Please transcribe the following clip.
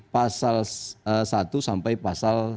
pasal satu sampai pasal